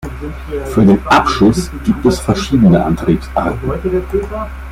Für den „Abschuss“ gibt es verschiedene Antriebsarten.